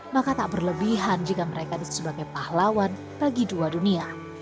maka tak berlebihan jika mereka disebut sebagai pahlawan bagi dua dunia